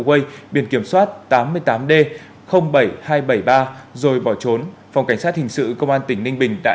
quay biển kiểm soát tám mươi tám d bảy nghìn hai trăm bảy mươi ba rồi bỏ trốn phòng cảnh sát hình sự công an tỉnh ninh bình đã